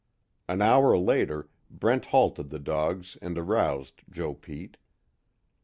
An hour later, Brent halted the dogs and aroused Joe Pete.